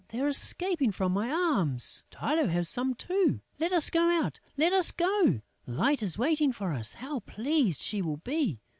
They're escaping from my arms!... Tylô has some too!... Let us go out, let us go!... Light is waiting for us!... How pleased she will be!...